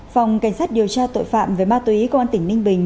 phòng cảnh sát điều tra tội phạm về ma túy công an tỉnh ninh bình